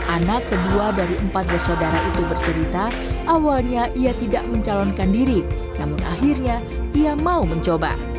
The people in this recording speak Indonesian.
anak kedua dari empat bersaudara itu bercerita awalnya ia tidak mencalonkan diri namun akhirnya ia mau mencoba